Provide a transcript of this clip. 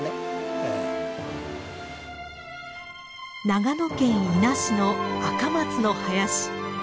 長野県伊那市のアカマツの林。